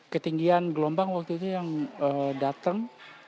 ketinggian gelombang waktu itu yang datang